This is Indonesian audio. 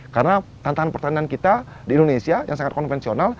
karena tantangan pertanian kita di indonesia yang sangat konvensional